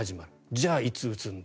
じゃあ、いつ打つんだ。